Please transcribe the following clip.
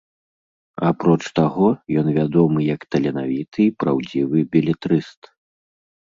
Апроч таго, ён вядомы як таленавіты і праўдзівы белетрыст.